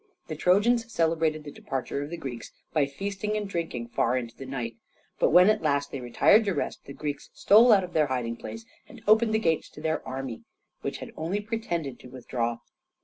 The Trojans celebrated the departure of the Greeks by feasting and drinking far into the night; but when at last they retired to rest, the Greeks stole out of their hiding place, and opened the gates to their army, which had only pretended to withdraw.